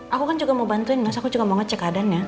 aku kan juga mau bantuin mas aku juga mau ngecek keadaannya